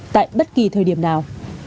tại bất kỳ thời điểm nào